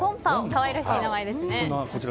可愛らしい名前ですね。